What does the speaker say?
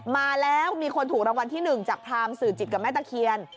มาแล้วมีคนถูกรางวัลที่๑จากพรามสื่อจิตกับแม่ตะเคียน